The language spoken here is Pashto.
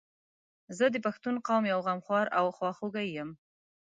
زه د پښتون قوم یو غمخوار او خواخوږی یم